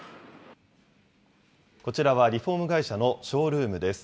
こちらはリフォーム会社のショールームです。